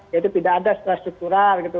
ya itu tidak ada struktur gitu